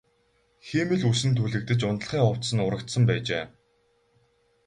Хиймэл үс нь түлэгдэж унтлагын хувцас нь урагдсан байх ажээ.